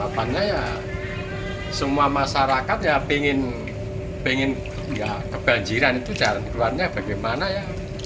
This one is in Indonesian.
harapannya ya semua masyarakat ya pengen kebanjiran itu jalan keluarnya bagaimana ya